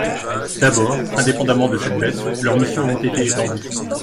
D’abord, indépendamment de cette baisse, leurs missions ont été étendues.